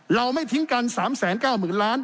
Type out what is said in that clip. เราไม่ทิ้งกัน๓๙๐๐๐ล้าน